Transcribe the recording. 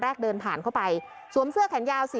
อัศวินธรรมชาติ